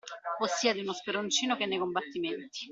Possiede uno speroncino che nei combattimenti.